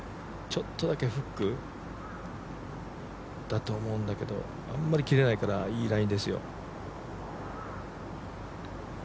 ちょっとだけフックだと思うんだけどあんまり切れないから、いいラインですよ。